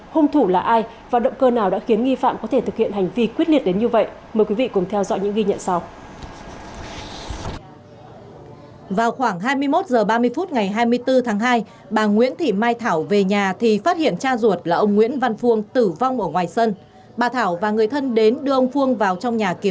hùng thủ là ai và động cơ nào đã khiến nghi phạm có thể thực hiện hành vi quyết liệt đến như vậy